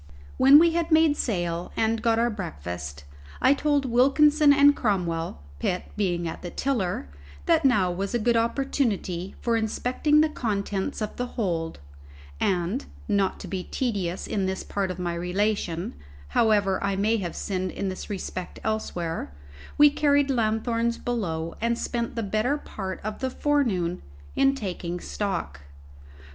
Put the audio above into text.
When we had made sail and got our breakfast, I told Wilkinson and Cromwell (Pitt being at the tiller) that now was a good opportunity for inspecting the contents of the hold; and (not to be tedious in this part of my relation, however I may have sinned in this respect elsewhere) we carried lanthorns below, and spent the better part of the forenoon in taking stock.